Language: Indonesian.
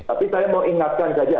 tapi saya mau ingatkan saja